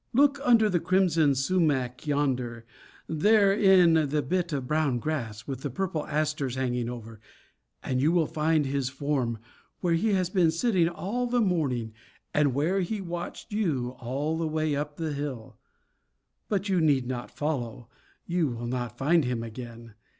Look under the crimson sumach yonder, there in the bit of brown grass, with the purple asters hanging over, and you will find his form, where he has been sitting all the morning and where he watched you all the way up the hill. But you need not follow; you will not find him again.